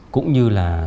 cũng như là